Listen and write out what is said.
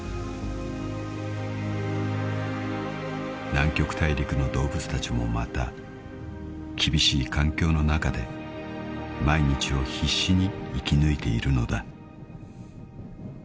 ［南極大陸の動物たちもまた厳しい環境の中で毎日を必死に生き抜いているのだ］